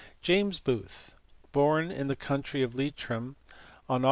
James Booth, born in the county Leitrim on Aug.